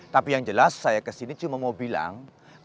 tapi yang jelas saya kesini cuma mau bilang